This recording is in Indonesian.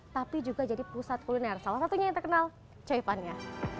tapi juga jadi pusat kuliner salah satunya yang terkenal cewekannya